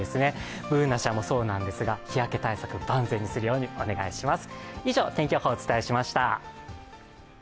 Ｂｏｏｎａちゃんもそうなんですが日焼け対策、万全にするようにお願いします。